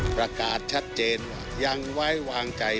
ประกาศชัดเจนว่ายังไว้วางใจ